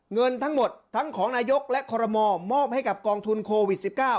เงินทั้งหมดทั้งของนายกและคอรมอลมอบให้กับกองทุนโควิด๑๙